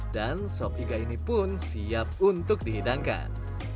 dan sop iga ini pun siap untuk dihidangkan